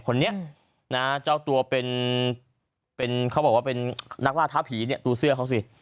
คนนี้เจ้าตัวเป็นนักล่าท้าผีดูเสื้อเขาสิ